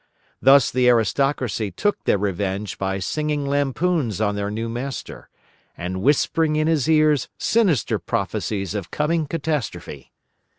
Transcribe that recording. Thus the aristocracy took their revenge by singing lampoons on their new master, and whispering in his ears sinister prophecies of coming catastrophe.